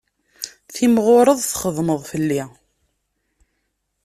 Timɣureḍ txedmeḍ fell-i.